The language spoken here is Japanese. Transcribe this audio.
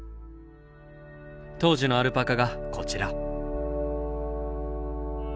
当時のアルパカがこちら。